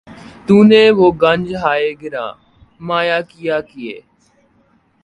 تو نے وہ گنج ہائے گراں مایہ کیا کیے